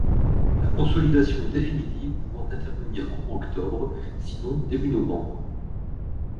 La consolidation définitive pouvant intervenir courant octobre, sinon début novembre.